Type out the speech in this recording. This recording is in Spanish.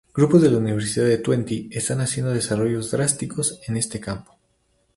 Grupos de la Universidad de Twente están haciendo desarrollos drásticos en este campo.